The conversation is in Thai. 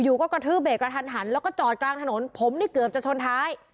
กระทืบเบรกกระทันหันแล้วก็จอดกลางถนนผมนี่เกือบจะชนท้าย